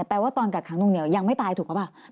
ว่าตอนกักขังนุ่งเหนียวยังไม่ตายถูกหรือเปล่า